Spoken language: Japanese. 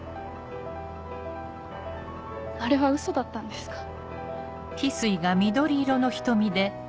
あれはウソだったんですか？